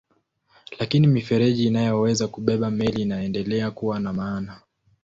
Lakini mifereji inayoweza kubeba meli inaendelea kuwa na maana.